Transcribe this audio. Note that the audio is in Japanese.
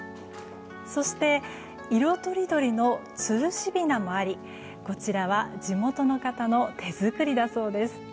そして、色とりどりのつるしびなもありこちらは地元の方の手作りだそうです。